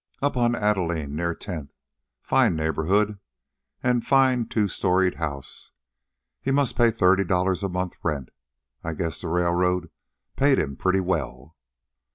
"Up on Adeline, near Tenth fine neighborhood an' fine two storied house. He must pay thirty dollars a month rent. I guess the railroad paid him pretty well."